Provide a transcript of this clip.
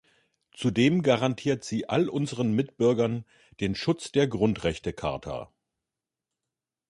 Zudem garantiert sie all unseren Mitbürgern den Schutz der Grundrechtecharta.